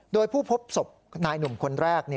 โดยผู้พบศพนายหนุ่มคนแรก